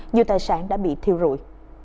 nhiều tài sản đã bị thiêu rụi